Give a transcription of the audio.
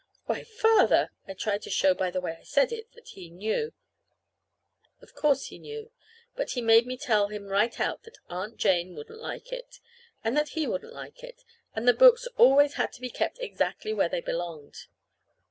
"Why, Father!" I tried to show by the way I said it that he knew of course he knew. But he made me tell him right out that Aunt Jane wouldn't like it, and that he wouldn't like it, and that the books always had to be kept exactly where they belonged.